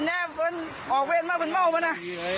โอ้ยเอาคืนแน่ออกเวทมาเป็นเมาว์ป่ะนะ